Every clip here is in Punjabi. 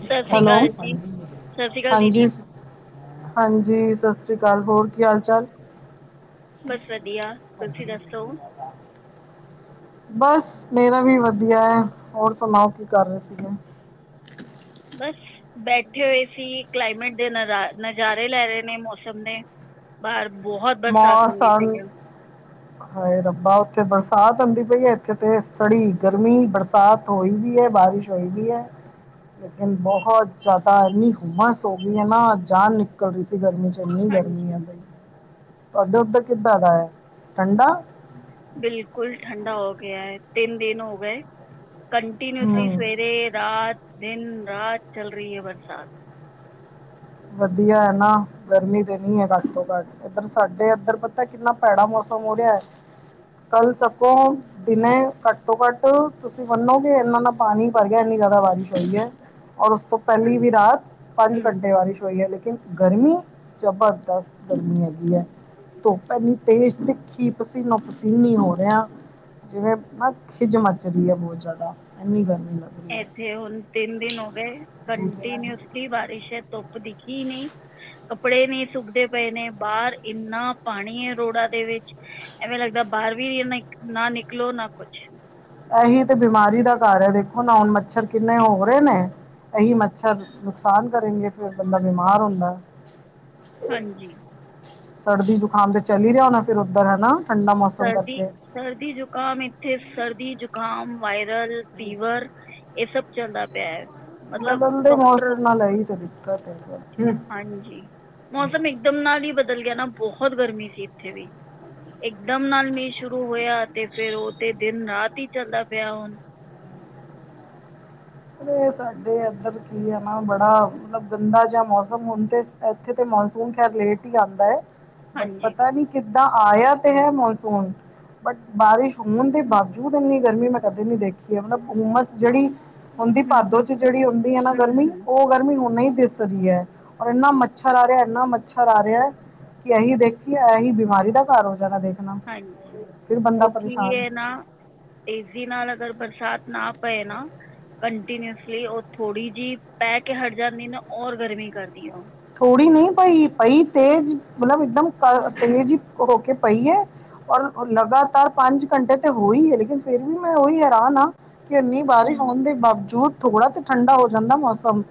ਸਤਿ ਸ਼੍ਰੀ ਹੈਲੋ ਅਕਾਲ ਜੀ ਸਤਿ ਸ਼੍ਰੀ ਅਕਾਲ ਦੀਦੀ ਹਾਂਜੀ ਹਾਂਜੀ ਸਤਿ ਸ੍ਰੀ ਅਕਾਲ ਹੋਰ ਕੀ ਹਾਲ ਚਾਲ ਬਸ ਵਧੀਆ ਤੁਸੀ ਦੱਸੋ ਬਸ ਮੇਰਾ ਵੀ ਵਧੀਐ ਹੋਰ ਸੁਨਾਓ ਕੀ ਕਰ ਰਹੇ ਸੀਗੇ ਬਸ ਬੈਠੇ ਹੋਏ ਸੀ। ਕਲਾਈਮੇਟ ਦੇ ਨਜ਼ਾ ਨਜ਼ਾਰੇ ਲੈ ਰਹੇ ਨੇ ਮੌਸਮ ਦੇ ਬਾਹਰ ਬਹੋਤ ਬਰਸਾਤ ਹੁੰਦੀ ਮੌਸਮ ਪਈ ਆ। ਹਾਏ ਰੱਬਾ ਉੱਥੇ ਬਰਸਾਤ ਹੁਂਦੀ ਪਈ ਏ ਇੱਥੇ ਤੇ ਸੜੀ ਗਰਮੀ ਬਰਸ ਰਾਤ ਹੋਈ ਵੀ ਐ। ਬਾਰਿਸ਼ ਹੋਈ ਵੀ ਐ। ਲੇਕਿਨ ਬਹੁਤ ਜ਼ਿਆਦਾ ਇੰਨੀ ਹੁਮਸ ਹੋ ਗਈ ਨਾ ਜਾਨ ਨ [unintelligible] ਸੀ ਗਰਮੀ ਚ' ਇੰਨੀ ਹਾਂਜੀ ਗਰਮੀ ਹੈ ਬਈ ਅੱਧੇ ਉੱਧਰ ਕਿੱਦਾਂ ਦਾ ਠੰਡਾ ਬਿਲਕੁਲ ਠੰਢਾ ਹੋ ਗਿਆ ਐ ਤਿੰਨ ਦਿਨ ਹੋ ਗਏ ਕੰਟੀਿਨਊਸਲੀ ਹਮ ਸਵੇਰੇ ਰਾਤ, ਦਿਨ, ਰਾਤ ਚੱਲ ਰਹੀ ਏ ਬਰਸਾਤ ਵਧੀਆ ਐ ਨਾ ਗਰਮੀ ਤੇ ਨੀ ਏ ਘੱਟ ਤੋਂ ਘੱਟ ਇੱਧਰ ਸਾਡੇ ਇੱਧਰ ਪਤਾ ਕਿੰਨਾ ਭੈੜਾ ਮੌਸਮ ਹੋ ਰਿਹੈ ਕੱਲ ਸਗੋਂ ਦਿਨੇ ਘੱਟ ਤੋਂ ਘੱਟ ਤੁਸੀਂ ਮੰਨੋ ਗੇ ਕਿ ਇਨਾਂ ਦਾ ਪਾਨੀ ਭਰ ਗਿਆ ਇੰਨੀ ਜ਼ਿਆਦਾ ਬਾਰਿਸ਼ ਹੋਈ ਏ। ਔਰ ਉਸ ਤੋਂ ਪਹਿਲੀ ਵੀ ਹਾਂਜੀ ਰਾਤ ਪੰਜ ਹੂੰ ਘੰਟੇ ਬਾਰੀਸ਼ ਏ ਲੇਕਿਨ ਗਰਮੀ ਜ਼ਬਰਦਸਤ ਗਰਮੀ ਹੈਗੀ ਏ। ਧੁੱਪ ਐਨੀ ਤੇਜ ਤਿੱਖੀ ਪਸੀਨੋ ਪਸੀਨੀ ਹੋ ਰਿਹਾ। ਜਿਵੇਂ ਨਾ ਖਿਝ ਮੱਚ ਰਹੀ ਏ ਬਹੋਤ ਜ਼ਿਆਦਾ ਐਨੀ ਗਰਮੀ ਅ ਐਥੇ ਹੁਨ ਤਿੰਨ ਦਿਨ ਹੋ ਗਏ ਕੰਟੀਨਿਊਸਲੀ ਬਾਰਿਸ਼ ਏ ਤੁਪ ਦੇਖੀ ਹੀ ਨਹੀਂ ਪੜੇ ਨੀ ਸੁੱਕਦੇ ਪਏ ਨੇ ਬਾਹਰ ਇੰਨਾ ਪਾਣੀ ਏ ਰੋੜਾਂ ਦੇ ਵਿੱਚ ਐਵੇਂ ਲੱਗਦਾ ਬਾਰਵੀ ਨਾ ਨਾ ਨਿਕਲੋ ਨਾ ਕੁਛ ਐਹੀ ਤੇ ਬਿਮਾਰੀ ਦਾ ਘਰ ਏ ਦੇਖੋ ਨਾ ਹੁਨ ਮੱਛਰ ਕਿੰਨੇ ਹੋ ਰਹੇ ਨੇ ਇਹੀ ਮੱਛਰ ਨੁਕਸਾਨ ਕਰੇਗੇ ਫਿਰ ਬੰਦਾ ਬਿਮਾਰ ਹੁੰਦੈ। ਹਾਂਜੀ। ਸੜਦੀ ਜੁਕਾਮ ਤੇ ਚੱਲ ਰਿਹਾ ਹੋਨਾ ਫਿਰ ਓਧਰ ਹਨਾ ਸਰਦੀ ਸਰਦੀ ਜ਼ੁਕਾਮ ਇੱਥੇ ਸਰਦੀ ਜ਼ੁਕਾਮ, ਵਾਇਰਲ, ਫੀਵਰ ਇਹ ਸਭ ਚੱਲਦਾ ਪਿਆ ਹੈ। ਮਤਲਬ ਬਦਲਦੇ ਮੌਸਮ ਡਾਕਟਰ ਨਾਲ ਇਹੀ ਤਾਂ ਦਿੱਕਤ ਏ। ਹਾਂਜੀ ਮੌਸਮ ਇਕਦਮ ਨਾਲ ਹੀ ਬਦਲ ਗਿਆ ਨਾ ਬਹੋਤ ਗਰਮੀ ਸੀ ਇੱਥੇ ਵੀ ਇਕਦਮ ਨਾਲ ਮੀਂਹ ਸ਼ੁਰੂ ਹੋਇਆ ਤੇ ਫੇਰ ਉਹ ਤੇ ਦਿਨ ਰਾਤ ਹੀ ਚੱਲਦਾ ਪਿਆ ਹੁਨ ਸਾਡੇ ਇੱਧਰ ਕੀ ਹੈ ਨਾ ਬੜਾ ਮਤਲਬ ਗੰਦਾ ਜਿਹਾ ਮੌਸਮ ਹਨ ਤੇ ਇੱਥੇ ਤੇ ਮੌਨਸੂਨ ਖੈਰ ਲੇਟ ਹੀ ਆਂਦਾ ਏ ਬਟ ਹਾਂਜੀ ਪਤਾ ਨੀ ਕਿੱਦਾ ਆਇਆ ਤੇ ਹੈ ਮੌਨਸੂਨ ਬਟ ਬਾਰਿਸ਼ ਹੋਨ ਦੇ ਬਾਵਜੂਦ ਇੰਨੀ ਗਰਮੀ ਮੈਂ ਕਦੇ ਨੀ ਦੇਖੀ ਏ ਮਤਲਬ ਉਮਸ ਜਿਹੜੀ ਹੁੰਦੀ ਹੂੰ ਭਾਦੋ ਹੂੰ ਚ ਜਿਹੜੀ ਹੁੰਦੀ ਆ ਨਾ ਹੂੰ ਹੂੰ ਗਰਮੀ ਹੂੰ ਓਹ ਗਰਮੀ ਹੁਨ ਹੀ ਦਿਸਰੀ ਐ ਔਰ ਇੰਨਾ ਮੱਛਰ ਆ ਰਿਹਾ ਇੰਨਾ ਮੱਛਰ ਆ ਰਿਹਾ ਕਿ ਐਹੀ ਦੇਖੀਏ ਐਹੀ ਬਿਮਾਰੀ ਦਾ ਘਰ ਹੋ ਜਾਨਾ ਦੇਖਨਾ ਹਾਂਜੀ ਫਿਰ ਬੰਦਾ ਪਰੇਸ਼ਾਨ ਏਸੀ ਨਾਲ ਅਗਰ ਬਰਸਾਤ ਨਾ ਪਏ ਨਾ ਕੰਟੀਨਿਊਸਲੀ ਓਹ ਥੋੜੀ ਜਿ ਪੈ ਕੇ ਹਟ ਜਾਂਦੀ ਨਾ ਔਰ ਗਰਮੀ ਕਰਦੀ ਓਹ ਥੋੜ੍ਹੀ ਨਹੀਂ ਪਈ ਪਈ ਤੇਜ਼ ਮਤਲਬ ਇਕਦਮ ਤੇਜ਼ ਹੀ ਹੋ ਕੇ ਪਈ ਏ ਔਰ ਲਗਾਤਾਰ ਪੰਜ ਘੰਟੇ ਤੇ ਹੋਹੀ ਹੈ ਲੇਕਿਨ ਫੇਰ ਵੀ ਮੈਂ ਉਹੀ ਹੈਰਾਨ ਹਾਂ ਕਿ ਐਨੀ ਬਾਰਿਸ਼ ਹੂੰ ਹੋਨ ਦੇ ਬਾਵਜੂਦ ਥੋੜਾ ਤੇ ਠੰਡਾ ਹੋ ਜਾਂਦਾ ਮੌਸਮ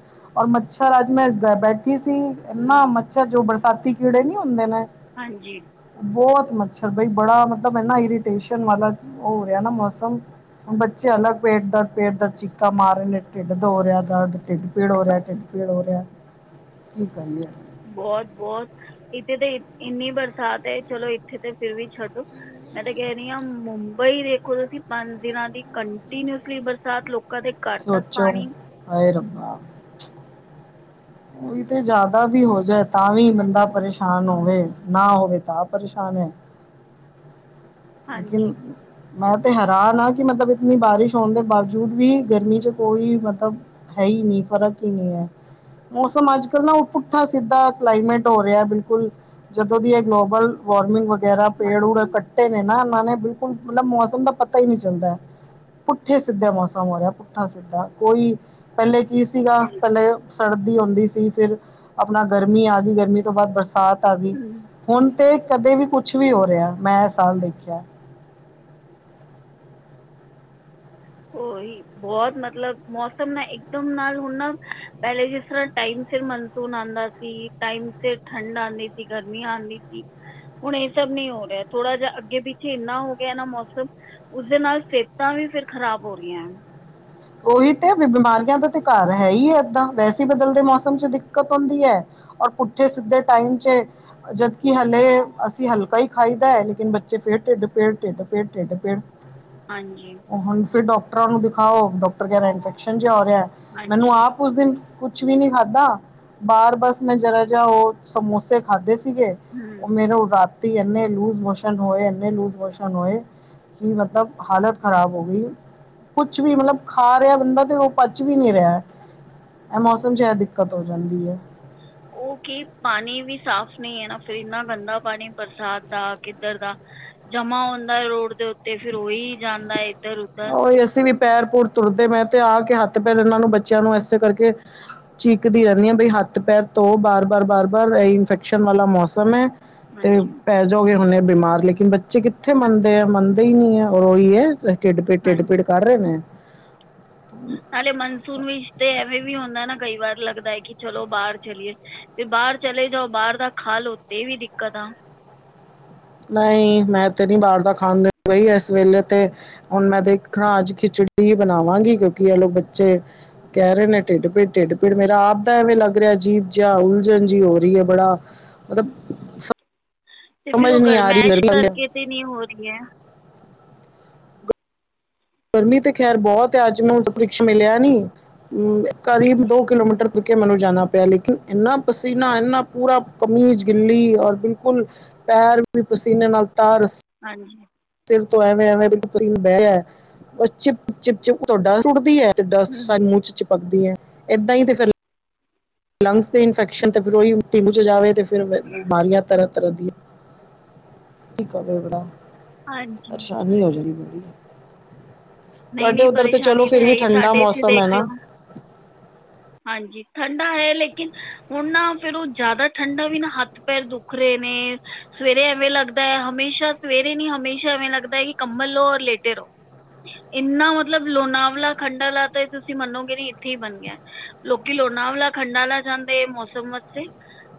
ਔਰ ਮੱਛਰ ਅੱਜ ਮੈਂ ਬੈਠੀ ਸੀ ਐਨਾ ਹੂੰ, ਮ ਅੱਛਾ ਜੋ ਬਰਸਾਤੀ ਕੀੜੇ ਨੀ ਹੁੰਦੇ ਨੇ ਹਾਂਜੀ। ਬਹੋਤ ਮੱਛਰ ਬਈ ਬੜਾ ਮਤਲਬ ਇਨਾਂ ਇਰੀਟੇਸ਼ਨ ਵਾਲਾ ਓਹ ਹੋ ਰਿਹਾ ਨਾ ਮੌਸਮ। ਬੱਚੇ ਅਲੱਗ ਪੇਟ ਦਰਦ ਪੇਟ ਦਰਦ ਚੀਕਾ ਮਾਰ ਨੇ ਢਿੱਡ ਦੋ ਰਿਹਾ ਦਰਦ ਢਿੱਡ ਪੀੜ ਹੋ ਰਿਹਾ ਢਿੱਡ। ਪੀੜ ਹੋ ਰਿਹਾ ਐ। ਕੀ ਕਹਿੰ ਆ। ਬਹੋਤ ਬਹੋਤ ਇੱਥੇ ਤੇ ਇੰਨੀ ਬਰਸਾਤ ਏ ਚਲੋ ਇੱਥੇ ਤੇ ਫਿਰ ਵੀ ਛੱਡੋ। ਮੈਂ ਤਾਂ ਕਹਿ ਰਹੀ ਹਾਂ ਮੁੰਬਈ ਦੇਖੋ ਤੁਸੀਂ ਪੰਜ ਦਿਨਾਂ ਦੀ ਕੰਟੀਨਿਊਸਲੀ ਬਰਸਾਤ ਲੋ ਸੋਚੋ ਹਾਏ ਰੱਬਾ। ਓਈ ਤੇ ਜ਼ਿਆਦਾ ਵੀ ਹੋ ਜਾਏ ਤਾਂ ਵੀ ਬੰਦਾ ਪਰੇਸ਼ਾਨ ਹੋਵੇ ਨਾ ਹੋਵੇ ਤਾਂ ਪਰੇਸ਼ਾਨ ਹੈ ਲੇਕਿਨ ਹਾਂਜੀ ਮੈਂ ਤੇ ਹੈਰਾਨ ਹਾਂ ਕਿ ਮਤਬ ਇਤਨੀ ਬਾਰਿਸ਼ ਹੋਣ ਦੇ ਬਾਵਜੂਦ ਵੀ ਗਰਮੀ 'ਚ ਕੋਈ ਮਤਬ ਹੈ ਨਹੀਂ ਫਰਕ ਹੀ ਨਹੀਂ ਹੈ। ਮੌਸਮ ਅੱਜ ਕੱਲ੍ਹ ਨਾ ਪੁੱਠਾ ਸਿੱਧਾ ਕਲਾਈਮੇਟ ਹੋ ਰਿਹਾ ਹੈ ਬਿਲਕੁਲ ਜਦੋਂ ਵੀ ਇਹ ਗਲੋਬਲ। ਵਾਰਮਿੰਗ ਵਗੈਰਾ ਪੇੜ ਊੜ ਹਾਂਜੀ ਕੱਟੇ ਨੇ ਨਾ ਇਹਨਾਂ ਨੇ ਬਿਲਕੁਲ ਮਤਲਬ [unintelligible] ਮੌਸਮ ਦਾ ਪਤਾ ਹੀ ਨਹੀਂ ਚੱਲਦਾ ਐ ਪੁੱਠੇ ਸਿੱਧੇ ਮੌਸਮ ਹੋ ਰਿਹਾ ਪੁੱਠਾ ਸਿੱਧਾ ਕੋਈ ਪਹਿਲੇ ਕੀ ਸੀਗਾ ਪਹਿਲੇ ਸਰਦੀ ਹੁੰਦੀ ਸੀ ਫਿਰ ਆਪਣਾ ਗਰਮੀ ਆ ਗੀ ਗਰਮੀ ਤੋਂ ਬਾਅਦ ਬਰਸਾਤ ਆ ਗੀ ਹੂੰ ਹੁਣ ਤੇ ਕਦੇ ਵੀ ਕੁਛ ਵੀ ਹੋ ਰਿਹਾ ਆ ਮੈਂ ਆਹ ਸਾਲ ਦੇਖਿਆ। ਉਹੀ। ਬਹੁਤ ਮਤਲਬ ਮੌਸਮ ਨਾ ਇਕਦਮ ਨਾਲ ਹੁਣ ਨਾ ਪਹਿਲੇ ਜਿਸ ਤਰ੍ਹਾਂ ਟਾਈਮ ਸਿਰ ਮਨ ਸੂਨ ਆਂਦਾ ਸੀ ਟਾਈਮ ਤੇ ਠੰਡ ਆਂਦੀ ਸੀ ਗਰਮੀਆਂ ਆਂਦੀ ਸੀ ਹੁਣ ਇਹ ਸਭ ਨੀ ਹੋ ਰਿਹਾ ਥੋੜਾ ਜਿਹਾ ਅੱਗੇ ਪਿੱਛੇ ਇੰਨਾ ਹੋ ਗਿਆ ਨਾ ਮੌਸਮ ਉਸਦੇ ਨਾਲ ਸਿਹਤਾਂ ਵੀ ਫਿਰ ਖ਼ਰਾਬ ਹੋ ਰਹੀਆਂ ਉਹੀ ਤੇ ਬਿਮਾਰੀਆਂ ਦਾ ਤਾਂ ਘਰ ਹੈ ਹੀ ਹੈ ਏਦਾਂ ਵੈਸੇ ਬਦਲਦੇ ਮੌਸਮ 'ਚ ਦਿੱਕਤ ਆਉਂਦੀ ਐ ਔਰ ਪੁੱਠੇ ਸਿੱਧੇ ਟਾਈਮ ਚੇ ਜਦਕਿ ਹਲੇ ਅਸੀਂ ਹਲਕਾ ਹੀ ਖਾਈਦਾ ਐ ਲੇਕਿਨ ਬੱਚੇ ਫੇਰ ਢਿੱਡ ਪੇੜ ਢਿੱਡ ਪੇੜ ਢਿੱਡ ਪੇੜ। ਹੂੰ। [inaudible] ਹਾਂਜੀ। ਹੁਣ ਫਿਰ ਡਾਕਟਰਾਂ ਨੂੰ ਦਿਖਾਓ ਡਾਕਟਰ ਕਹਿ ਰਿਹਾ ਇਨਫੈਕਸ਼ਨ ਜਿਹਾ ਹੋ ਰਿਹਾ ਮੈਨੂੰ ਹਾਂਜੀ ਆਪ ਉਸ ਦਿਨ ਕੁਛ ਵੀ ਨੀ ਖਾਧਾ ਬਾਹਰ ਬਸ ਮੈਂ ਜਰਾ ਜਿਹਾ ਉਹ ਸਮੋਸੇ ਖਾਧੇ ਸ ਸੀਗੇ ਉਹ ਮੇਰੇ ਉ ਰਾਤੀ ਇੰਨੇ ਲੂਜ ਮੋਸ਼ਨ ਹੋਏ ਇੰਨੇ ਲੂਜ ਮੋਸ਼ਨ ਹੋਏ ਕਿ ਮਤਬ ਹਾਲਤ ਖ਼ਰਾਬ ਹੋ ਗਈ ਕੁਛ ਵੀ ਮਲਬ ਖਾ ਰਿਹਾ ਬੰਦਾ ਤੇ ਉਹ ਪਚ ਵੀ ਨਹੀਂ ਰਿਹਾ ਐ ਇਹ ਮੌਸਮ 'ਚ ਇਹ ਦਿੱਕਤ ਹੋ ਜਾਂਦੀ ਐ ਉਹ ਕੀ ਪਾਣੀ ਵੀ ਸਾਫ਼ ਨਹੀਂ ਹੈ ਨਾ ਫਿਰ ਇੰਨਾ ਗੰਦਾ ਪਾਣੀ ਬਰਸਾਤ ਦਾ ਕਿੱਧਰ ਦਾ। ਜਮਾ ਹੁੰਦਾ ਰੋਡ ਦੇ ਉੱਤੇ ਫੇਰ ਉਹੀ ਜਾਂਦਾ ਐ ਹਾਂ ਉਹੀ ਅਸੀਂ ਵੀ ਪੈਰ ਪੁਰ ਧੋਤੇ ਮੈਂ [unintelligible] ਤੇ ਆ ਕੇ ਹੱਥ ਪੈਰ ਇਹਨਾਂ ਨੂੰ ਬੱਚਿਆਂ ਨੂੰ ਇਸੇ ਕਰਕੇ। ਚੀਕਦੀ ਰਹਿੰਨੀ ਆਂ ਬਈ ਹੱਥ ਪੈਰ ਧੋ ਬਾਰ ਬਾਰ ਬਾਰ ਬਾਰ ਇਹ ਇਨਫੈਕਸ਼ਨ ਵਾਲਾ ਮੌਸਮ ਐ ਤੇ। ਹਾਂਜੀ ਪੈ ਜਾਓਗੇ ਹੁਣੇ ਬਿਮਾਰ ਲੇਕਿਨ ਬੱਚੇ ਕਿੱਥੇ ਮੰਨਦੇ ਆ ਮੰਨਦੇ ਹੀ ਨਹੀਂ ਹੈ ਔਰ ਉਹੀ ਹੈ। ਢਿੱਡ ਪੀੜ ਢਿੱਡ ਹਾਂਜੀ ਪੀੜ ਕਰ ਰਹੇ ਨੇ। ਨਾਲੇ ਮਨਸੂਨ ਵਿੱਚ ਤੇ ਐਵੇਂ ਵੀ ਹੁੰਦਾ ਨਾ ਕਈ ਵਾਰ ਲੱਗਦਾ ਹੈ ਕਿ ਚਲੋ ਬਾਹਰ ਚਲੀਏ। ਤੇ ਬਾਹਰ ਚਲੇ ਜਾਓ ਬਾਹਰ ਦਾ ਖਾਲਓ ਤੇ ਇਹ ਵੀ ਦਿੱਕਤ ਆ। ਨਹੀਂ ਮੈਂ ਤੇ ਨੀ ਬਾਹਰ ਦਾ ਖਾਂਦੀ ਬਈ ਇਸ ਵੇਲੇ ਤੇ। ਹੁਣ ਮੈਂ ਦੇਖਾਂ ਅੱਜ ਖਿਚੜੀ ਬਣਾਵਾਂਗੀ ਕਿਉਂਕਿ ਇਹਲੋ ਬੱਚੇ ਕਹਿ ਰਹੇ ਨੇ ਢਿੱਡ ਪੀੜ ਢਿੱਡ ਪੀੜ ਮੇਰਾ ਆਪਦਾ ਐਵੇਂ ਲੱਗ ਰਿਹਾ ਅਜੀਬ ਜਿਹਾ ਉਲਝਣ ਜਿਹੀ ਹੋ ਰਹੀ ਹੈ ਬੜਾ। ਮਤਬ ਤੇ ਫਿਰ ਉਹ ਗਰਮੈਸ਼ ਕਰਕੇ ਤੇ ਨੀ ਹੋ ਰਹੀ ਐ ਗਰਮੀ ਤੇ ਖੈਰ ਬਹੁਤ ਅੱਜ ਮੈਨੂੰ [unintelligible] ਪ੍ਰਿੰਕਸ ਮਿਲਿਆ ਨੀ। ਹੂੰ ਕਰੀਬ ਦੋ ਕਿਲੋਮੀਟਰ ਤੁਰਕੇ ਮੈਨੂੰ ਜਾਣਾ ਪਿਆ ਲੇਕਿਨ ਇੰਨਾ ਪਸੀਨਾ ਇੰਨਾ ਪੂਰਾ ਕਮੀਜ਼ ਗਿੱਲੀ ਔਰ ਬਿਲਕੁਲ ਪੈਰ ਵੀ ਪਸੀਨੇ ਨਾਲ ਤਰ ਸ ਹਾਂਜੀ। ਸਿਰ ਤੋਂ ਐਵੇਂ, ਐਵੇਂ ਬਿਲਕੁ ਪਸੀਨ ਹੂੰਦੀ ਏ, [unintelligible] ਔਰ ਚਿਪ, ਚਿਪ, ਚਿਪ ਤੋਡਾ ਸੁਟਦੀ ਐ [unintelligible] ਤੇ ਡੱਸਟ ਸਾਰੀ ਹੂੰ, ਮੂੰਹ ਚ ਚਿਪਕਦੀ ਐ, ਏਦਾਂ ਈ ਤੇ ਫੇਰ ਲੰਗਸ ਤੇ ਇਨਫੈਕਸ਼ਨ ਤੇ ਫਿਰ ਓਹੀ [unintelligible] ਢਿੱਡ ਚ ਜਾਵੇ ਫੇਰ ਬਿਮਾਰੀਆਂ ਤਰਨ ਹਾਂਜੀ [unintelligible] ਨਹੀਂ ਤੂਆਡੇ ਨਹੀਂ ਉਧਰ ਤੇ ਚਲੋ ਪਰੇਸ਼ਾਨੀ ਤਾਂ ਫਿਰ ਹੈ ਵੀ ਹੀ ਠੰਡਾ ਸਾਡੇ ਇੱਥੇ ਮੌਸਮ ਐ ਦੇਖ ਨਾ? ਲਓ ਹਾਂਜੀ, ਠੰਡਾ ਹੈ ਲੇਕਿਨ ਹੁਣ ਨਾ ਫੇਰ ਓ ਜਾਦਾ ਠੰਡਾ ਵੀ ਨਾ ਹੱਥ ਪੈਰ ਦੁਖ ਰਏ ਨੇ ਸਵੇਰੇ ਐਵੇਂ ਲਗਦੈ ਹਮੇਸ਼ਾ ਸਵੇਰੇ ਨੀਂ, ਹਮੇਸ਼ਾ ਐਵੇਂ ਲਗਦੈ ਕਿ ਕੰਬਲ ਲੋ ਔਰ ਲੇਟੇ ਰਓ ਇੰਨਾ ਮਤਲਬ ਲੋਨਾਵਲਾਂ, ਖੰਡਾਲਾ ਤਾਂ ਤੂਸੀ ਮਨੋਗੇ ਨੀਂ ਇੱਥੇ ਈ ਬਨ ਗਿਆ। ਲੋਕੀ ਲੋਨਾਵਲਾਂ ਖੰਡਾਲਾ ਜਾਂਦੇ ਇਹ ਮੌਸਮ ਵਾਸਤੇ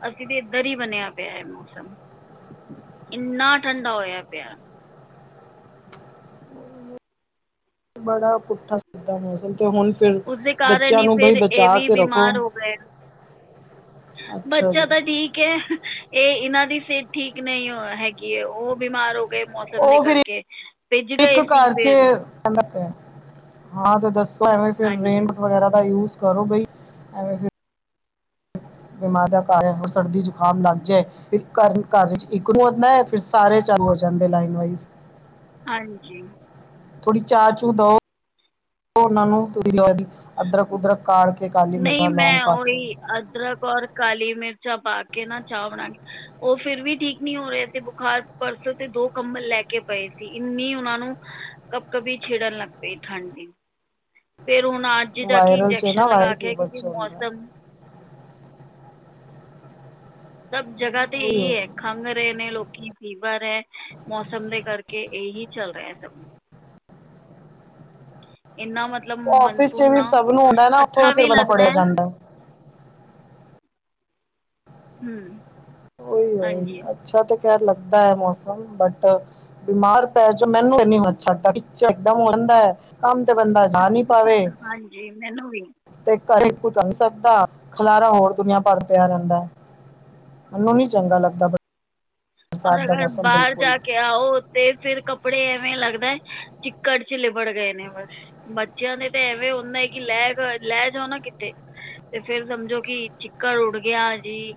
ਅਸੀ ਤੇ ਇਧੱਰ ਈ ਬਨਿਆ ਪੇਐ ਮੌਸਮ, ਇੰਨਾ ਠੰਡਾ ਹੋਆ ਪੇਆ। ਬੜਾ ਪੁੱਠਾ ਸਿਧਾ ਮੌਸਮ ਤੇ ਹੁਣ ਫਿਰ ਉਸਦੇ ਕਾਰਨ ਬੱਚਿਆਂ ਈ ਨੂੰ ਬਈ ਫੇਰ ਏ ਬਚਾ ਵੀ ਕੇ ਰੱਖੋ ਬਿਮਾਰ ਹੋ ਗਏ। ਅੱਛਾ ਬੱਚਾ ਜੀ ਤਾ ਠੀਕ ਐ ਏ ਏਨਾਂ ਦੀ ਸੇਤ ਠੀਕ ਨਈਂ ਅ ਹੈਗੀ ਏ, ਓ ਬੀਮਾਰੋ ਬੇਮੌਸਮ ਦੇ ਉਹ ਫਿਰ ਕਰਕੇ, ਭਿੱਜ ਇੱਕ ਗਏ ਸੀ ਘਰ 'ਚ ਫੇਰ [unintelligible] ਤੇ ਦੱਸੋ ਐਵੇ ਫੇਰ ਹਾਂਜੀ ਰੇਨ ਵਗੈਰਾ ਦਾ ਯੂਜ਼ ਕਰੋ ਬਈ। ਐਂਵੇ ਫਿ ਬਿਮਾਰ ਦਾ ਘਾਰ ਏ, ਹੋਰ ਸਰਦੀ ਜੁਖਾਮ ਲਗ ਜੇ ਇਕ ਘਾਰ, ਘਾਰਇਚ ਇੱਕ ਨੂ ਹੋਂਦੈ, ਫਿਰ ਸਾਰੇ ਚਾਲੂ ਹੋ ਜਾਂਦੇ ਲਾਈਨ ਵਾਈਜ਼ ਹਾਂਜੀ। ਥੋੜੀ ਚਾਅ ਚੂ ਦਓ, ਓਨਾਂ ਨੂੰ [unintelligible] ਅਦਰਕ, ਉਦਰਕ ਕਾੜ ਕੇ [unintelligible] ਨਈਂ ਲੌਂਗ ਮੈਂ ਪਾ ਕੇ ਓਈ, ਅਦਰਕ ਔਰ ਕਾਲੀ ਮਿਰਚਾਂ ਪਾ ਕੇ ਨਾਂ ਚਾਅ ਬਨਾਈ ਓ ਫਿਰ ਵੀ ਠੀਕ ਨੀਂ ਹੋ ਰੇ ਤੇ ਬੁਖਾਰ, ਪਰਸੋਂ ਦੇ ਦੋ ਕੰਬਲ ਲੈ ਕੇ ਪਏ ਸੀ। ਇੰਨੀ ਉਨਾਂ ਨੂੰ ਕਪਕਪੀ ਛਿੜਨ ਲਗ ਪਈ ਠੰਡ ਦੀ [inaudible] ਫੇਰ ਹੁਣ ਅੱਜ ਦਾ ਕਿ ਵਾਇਰਲ 'ਚ ਨਾ ਇਨਜੈਕਸ਼ਨ ਲਗਾ ਵਾਇਰਲ ਕੇ, ਫੀਵਰ ਕਿਉਂਕਿ 'ਚ ਹੁੰਦਾ ਮੌਸਮ ਸਬ ਜਗਾ [unintelligible] ਖੰਘ ਰਏ ਨੇਂ ਲੋਕੀ, ਫੀਵਰ ਐ, ਮੌਸਮ ਦੇ ਕਰਕੇ ਏਹੀ ਚਲ ਰੇਆ ਸਬ ਇਨ੍ਹਾਂ ਮਤਲਬ ਆਫਿਸ 'ਚ ਮਨਸੂਨ ਵੀ ਨਾ, ਸਭ ਨੂੰ ਹੁੰਦਾ ਨਾ ਉੱਥੋਂ ਅੱਛਾ ਫਿਰ ਵੀ ਬੰਦਾ ਫੜਿਆ ਲਗਦੈ ਜਾਂਦਾ ਹੈ। ਹਂ, ਉਹੀ ਉਹੀ ਹਾਂਜੀ। ਅੱਛਾ ਤੇ ਖੈਰ ਲੱਗਦਾ ਏ ਮੌਸਮ ਬਟ [unintelligible] ਕੰਮ ਤੇ ਬੰਦਾ ਜਾ ਨੀਂ ਪਾਵੇ ਜੀ ਮੈਨੂ ਵੀ। ਤੇ ਘਰ [unintelligible] ਸਕਦਾ, ਖਲਾਰਾ ਹੋਰ ਦੁਨੀਆਂ ਭਰ ਪੇਆ ਰੇਂਦੈ ਮੈਂਨੂ ਨੀਂ ਚੰਗਾ ਲੱਗਦਾ ਬਰਸਾਤ ਔਰ ਦਾ ਅਗਰ ਮੌਸਮ ਬਾਰ ਬਿਲਕੁਲ ਜਾ ਕੇ ਆ ਓ ਤੇ ਫਿਰ ਕੱਪੜੇ ਐਵੇਂ ਲਗਦੈ, ਚਿਕੜ ਚ ਲਿਬੜ ਗਏ ਨੇਂ ਬਸ ਬੱਚੇਆਂ ਦੇ ਤੇ ਐਵੇ ਹੁਦੈ, ਕਿ ਲੈਗ, ਲੈਜਾਓ ਨਾ ਕਿਤੇ ਤੇ ਫੇਰ ਸਮਝੋ ਕਿ ਚਿਕੜ ਉਡ ਗੇਆ ਜੀ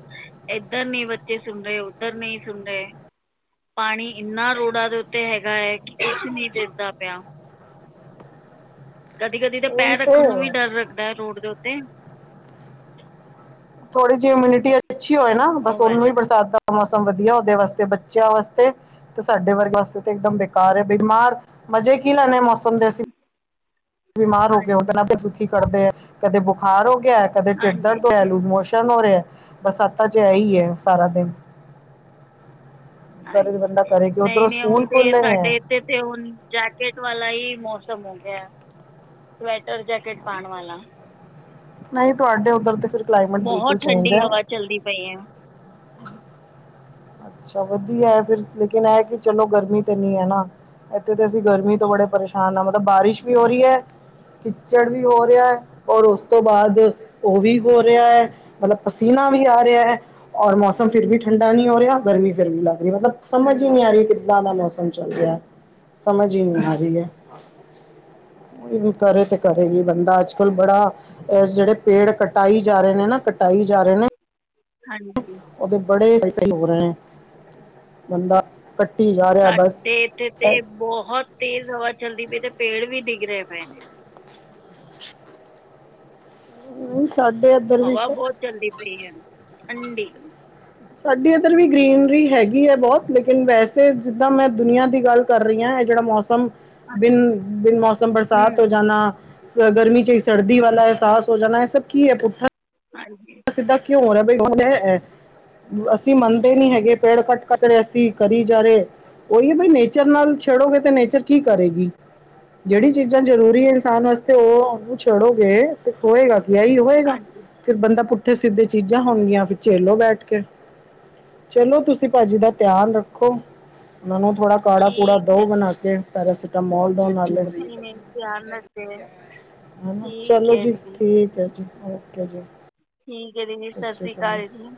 ਏਧਰ ਨੀਂ ਬੱਚੇ ਸੁਨ ਰਏ, ਉਧਰ ਨੀਂ ਸੁਨ ਰਏ, ਪਾਣੀ ਇਨ੍ਹਾਂ ਰੋੜਾਂ ਦੇ ਉਤੇ ਹੈਗਾਏ, ਕਿ ਕੁਛ ਨੀ ਦਿਸਦਾ ਪੇਆ ਕਦੀ-ਕਦੀ ਤੇ ਉਹੀ ਪੈਰ ਤੇ ਰੱਖਨ ਨੂੰ ਵੀ ਡਰ ਰਗਦੈ, ਰੋਡ ਦੇ ਉਤੇ ਥੋੜੀ ਜੀ ਇਮੁਨਿਟੀ ਅੱਛੀ ਹੋਏ ਨਾਂ, ਬਸ ਉਹ ਓਨੂੰ ਗੱਲ ਵੀ ਹੈ ਬਰਸਾਦਾ ਮੌਸਮ ਵਧੀਆ ਓਦੇ ਵਾਸਤੇ, ਬੱਚੇਆ ਵਾਸਤੇ ਤੇ ਸਾਡੇ ਵਰਗੇ ਆਸਤੇ ਤੇ ਇਕਦਮ ਬੇਕਾਰ ਏ ਬੀਮਾਰ, ਮਜੇ ਕੀ ਲੈਨੇ ਮੌਸਮ ਦੇ ਅਸੀਂ ਬੀਮਾਰ ਹੋ ਕੇ ਹਾਂਜੀ ਉਤਨਾਂ ਕੇ ਦੁਖੀ ਕਰਦੈ, ਕਦੇ ਬੁਖਾਰ ਹੋ ਗੇਆ ਕਦੇ ਟਿਡ ਹਾਂਜੀ ਦਰਦ ਏ, ਲੂਜ਼ਮੋਸ਼ਨ ਹੋ ਰੇਆ, ਬਰਸਾਤਾਂ ਚ ਇਹ ਈਏ ਸਾਰਾ ਦਿਨ। ਕਰੇ ਤੇ ਹਾਂਜੀ ਬੰਦਾ ਕਰੇ ਕਿ ਉੱਧਰੋਂ ਸਕੂਲ ਖੋਲਣ ਏਐ ਤੇ ਹੁਣ ਜੈਕੇਟ ਵਾਲਾ ਹੀ ਮੌਸਮ ਹੋ ਗਿਆ। ਸਵੈਟਰ ਜੈਕਟ ਪਉਣ ਵਾਲਾ ਨਹੀਂ ਤੁਹਾਡੇ ਉਧਰ ਤੇ ਫਿਰ ਕਲਾਈਮੇਟ ਬਹੁਤ ਬਿਲਕੁਲ ਚੇਂਜ ਠੰਡੀ ਹੈ ਹਵਾ ਚੱਲਦੀ ਪਈ ਐ। [unintelligible] ਅੱਛਾ ਵਧੀਆ ਹੈ ਫਿਰ ਲੇਕਿਨ ਇਹ ਕਿ ਚਲੋ ਗਰਮੀ ਤੇ ਨੀ ਹੈ ਨਾ ਇੱਥੇ ਤੇ ਅਸੀਂ ਗਰਮੀ ਤੋਂ ਬੜੇ ਪਰੇਸ਼ਾਨ ਹਾਂ ਮਤਲਬ ਬਾਰਿਸ਼ ਵੀ ਹੋ ਰਹੀ ਹੈ ਕਿੱਚੜ ਵੀ ਹੋ ਰਿਹਾ ਹੈ ਔਰ ਉਸ ਤੋਂ ਬਾਅਦ ਉਹ ਵੀ ਹੋ ਰਿਹਾ ਹੈ ਮਤਲਬ ਪਸੀਨਾ ਵੀ ਆ ਰਿਹਾ ਹੈ ਔਰ ਮੌਸਮ ਫਿਰ ਵੀ ਠੰਡਾ ਨਹੀਂ ਹੋ ਰਿਹਾ ਗਰਮੀ ਫਿਰਵੀ ਲੱਗ ਰਹੀ ਮਤਲਬ ਸਮਝ ਹੀ ਹਮ ਨਹੀਂ ਆ ਰਹੀ ਕਿੱਦਾਂ ਦਾ ਮੌਸਮ ਚੱਲ ਰਿਹਾ ਸਮਝ ਹੀ ਨਹੀਂ ਆ ਰਹੀ ਹੈ ਕਰੇ ਤੇ ਕਰੇਗੀ ਬੰਦਾ ਅੱਜ-ਕਲ ਬੜਾ ਜਿਹੜੇ ਪੇੜ ਕਟਾਈ ਜਾ ਰਹੇ ਨੇਂ ਨਾਂ, ਕਟਾਈ ਜਾ ਰਹੇ ਨੇਂ ਹਾਂਜੀ ਉਹਦੇ ਬੜੇ ਸਾਈਡ ਇਫੈਕਟ ਹੋ ਰਹੇ ਨੇ ਬੰਦਾ ਕੱਟੀ ਜਾ ਰਿਹਾ ਬਸ ਸਾਡੇ ਇੱਥੇ ਤਾਂ ਬਹੁਤ ਤੇਜ਼ ਹਵਾ ਚੱਲਦੀ ਪਈ ਤੇ ਪੇੜ ਵੀ ਡਿੱਗ ਰਹੇ ਨੇ ਹਮ ਸਾਡੇ ਇਧਰ ਹਵਾ ਬਹੁਤ ਚਲਦੀ ਪਈ ਹੈ ਠੰਡੀ ਸਾਡੀ ਇੱਧਰ ਵੀ ਗ੍ਰਰੀਨਰੀ ਹੈਗੀ ਹੈ ਬਹੁਤ ਲੇਕਿਨ ਵੈਸੇ ਜਿੱਦਾਂ ਮੈਂ ਦੁਨੀਆਂ ਦੀ ਗੱਲ ਕਰ ਰਹੀ ਹਾਂ ਇਹ ਜਿਹੜਾ ਮੌਸਮ ਸ ਹਾਂਜੀ ਬਿਨ-ਬਿਨ ਮੌਸਮ ਬਰਸਾਤ ਹੋ ਹਮ ਜਾਣਾ ਗਰਮੀ ਚਾਹੀ ਸਰਦੀ ਵਾਲਾ ਹੈ ਇਹਸਾਸ ਹੋ ਜਾਨਾ ਹੈ ਸਭ ਕੀ ਹੈ ਪੁੱਠਾ ਹਾਂਜੀ ਸਿੱਧਾ ਕਿਉਂ ਹੋ ਰਸਤਾ ਏ ਹੈ ਅਸੀਂ ਮੰਨਦੇ ਨੀ ਹੈਗੇ ਪੇੜ ਕੱਟ-ਕੱਟ ਰਹੇ ਅਸੀਂ ਕਰੀ ਜਾ ਰਹੇ ਉਹੀ ਹੈ ਬ ਨੇਚਰ ਨਾਲ ਸ਼ੇਡੋਗੇ ਤੇ ਨੇਚਰ ਕੀ ਕਰੇਗੀ ਜਿਹੜੀ ਚੀਜ਼ਾਂ ਜ਼ਰੂਰੀ ਹੈ ਇਨਸਾਨ ਵਾਸਤੇ ਉਹ ਉਹਨੂੰ ਛੇਡੋਗੇ ਹੋਏਗਾ ਕਿ ਆ ਹੀ ਹੋਏਗਾ ਹਾਂਜੀ ਫਿਰ ਬੰਦਾ ਪੁੱਠੇ ਸਿੱਧੇ ਚੀਜ਼ਾਂ ਹੋਣਗੀਆਂ ਫਿਰ ਝੇਲੋ ਬੈਠ ਕੇ ਚਲੋ ਤੁਸੀਂ ਭਾਜੀ ਦਾ ਧਿਆਨ ਰੱਖੋ ਮੈਨੂੰ ਥੋੜ੍ਹਾ ਕਾੜਾ ਪੂੜਾ ਠੀਕ ਹੈ ਦੋਹ ਬਣਾ ਕੇ ਪੈਰਾਸੀਟਾਮੋਲ ਦੋ ਨਾਲੇ ਨਹੀਂ ਨਹੀਂ ਧਿਆਨ ਰੱਖਦੇ ਹੈਨਾ ਠੀਕ ਚਲੋ ਹੈ ਜੀ ਦੀਦੀ ਠੀਕ ਹੈ ਜੀ ਓਕੇ ਜੀ ਠੀਕ ਹੈ ਦੀਦੀ ਸਤਿ ਸ਼੍ਰੀ ਅਕਾਲ ਜੀ